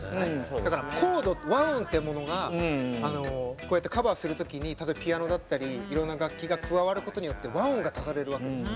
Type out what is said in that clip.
だから和音ってものがこうやってカバーする時に例えばピアノだったりいろんな楽器が加わることによって和音が足されるわけですよ。